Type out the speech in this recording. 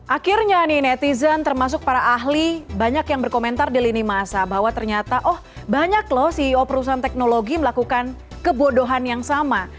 akhirnya nih netizen termasuk para ahli banyak yang berkomentar di lini masa bahwa ternyata oh banyak loh ceo perusahaan teknologi melakukan kebodohan yang sama